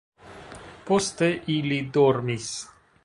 Poste ili dormis.